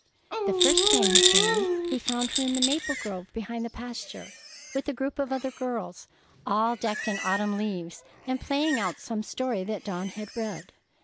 The first time he came, he found her in the maple grove behind the pasture, with a group of other girls, all decked in autumn leaves and playing out some story that Dawn had read.